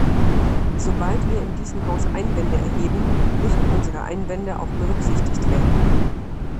Sobald wir in diesem Hause Einwände erheben, müssen unsere Einwände auch berücksichtigt werden.